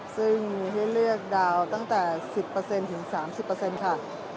ซึ่งมีที่เลือกดาวน์ตั้งแต่๑๐๓๐ค่ะ